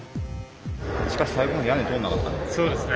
しかし最後のほう屋根通んなかったね。